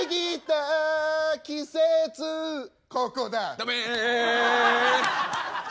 ダメ！